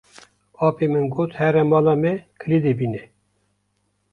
Apê min got here mala me kilîdê bîne.